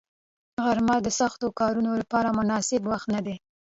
غرمه د سختو کارونو لپاره مناسب وخت نه دی